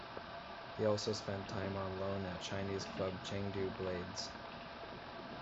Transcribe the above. He also spent time on loan at Chinese club Chengdu Blades.